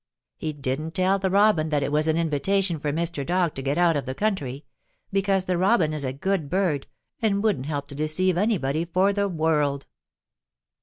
He didn't tell the Robin that it was an invitation for Mr. Dog to get out of the country, because the Robin is a good bird and wouldn't help to deceive anybody for the world.